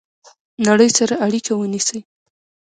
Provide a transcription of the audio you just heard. نړۍ سره اړیکه ونیسئ